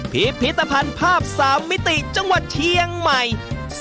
พิพิธภัณฑ์ภาพ๓มิติจังหวัดเชียงใหม่